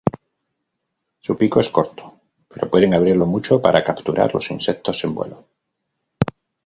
Su pico es corto, pero pueden abrirlo mucho para capturar los insectos en vuelo.